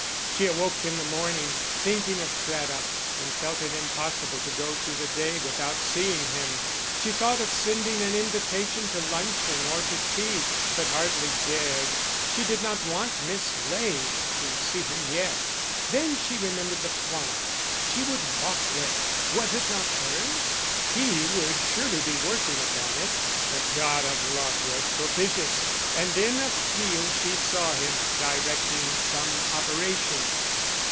She awoke in the morning, thinking of Craddock, and felt it impossible to go through the day without seeing him. She thought of sending an invitation to luncheon or to tea, but hardly dared; and she did not want Miss Ley to see him yet. Then she remembered the farm; she would walk there, was it not hers? He would surely be working upon it. The god of love was propitious, and in a field she saw him, directing some operation.